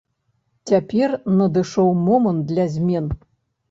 Цяпер надышоў момант для змен.